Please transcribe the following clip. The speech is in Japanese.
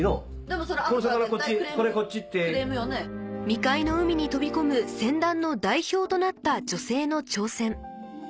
未開の海に飛び込む船団の代表となった女性の挑戦